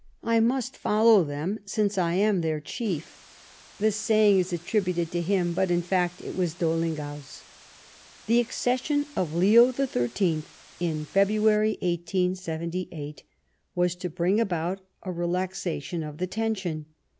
" I must follow them, since I am their chief." The saying is attributed to him, but, in fact, it was DoUinger's. The accession of Leo XIII in February, 1878, was to bring about a relaxation of the tension.